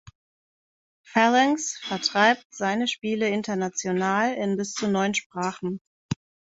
Phalanx vertreibt seine Spiele international in bis zu neun Sprachen.